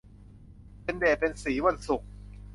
เป็นเดชเป็นศรีวันศุกร์